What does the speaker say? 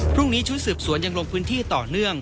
พรุ่งนี้ชุดสืบสวนยังลงพื้นที่ต่อเนื่อง